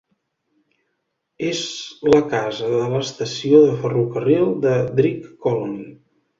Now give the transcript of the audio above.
És la casa de l'estació de ferrocarril de Drigh Colony.